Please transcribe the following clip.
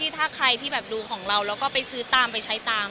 ถ้าใครที่ดูของเราแล้วก็ไปซื้อตามไปใช้ตาม